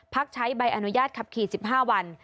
ใช้ใบอนุญาตขับขี่๑๕วัน